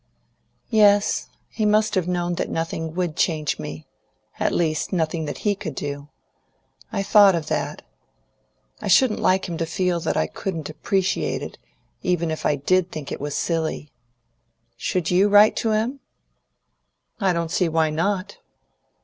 "Yes. He must have known that nothing would change me, at least, nothing that he could do. I thought of that. I shouldn't like him to feel that I couldn't appreciate it, even if I did think it was silly. Should you write to him?" "I don't see why not."